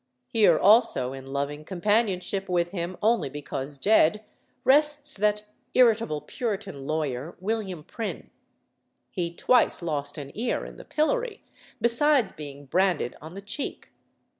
Here also in loving companionship with him only because dead rests that irritable Puritan lawyer, William Prynne. He twice lost an ear in the pillory, besides being branded on the cheek.